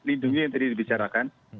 ini yang tadi dibicarakan